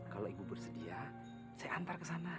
kalau ibu bersedia saya antar ke sana